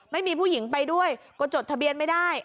ไม่มีผู้หญิงไปด้วยก็จดทะเบียนไม่ได้